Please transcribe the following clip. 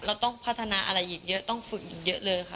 เราต้องพัฒนาอะไรอีกเยอะต้องฝึกอีกเยอะเลยค่ะ